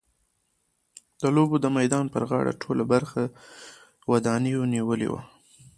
د لوبو د میدان پر غاړه ټوله برخه ودانیو نیولې وه.